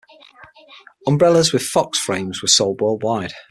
Umbrellas with 'Fox Frames' were sold worldwide.